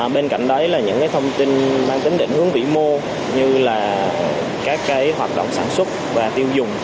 bên cạnh đấy là những thông tin mang tính định hướng vĩ mô như là các hoạt động sản xuất và tiêu dùng